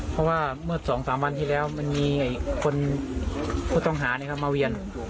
เพราะว่าเมื่อ๒๓วันที่แล้วมันมีคนผู้ต้องหามาเวียน